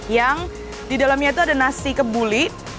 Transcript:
yang di dalamnya itu ada nasi kebuli